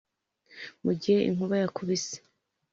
mugihe inkuba yakubise